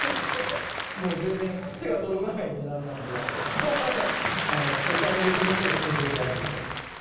もう全然、手が届かない値段なんで、お金持ちの人が住む所じゃないですか。